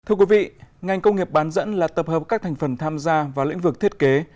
thưa quý vị ngành công nghiệp bán dẫn là tập hợp các thành phần tham gia vào lĩnh vực thiết kế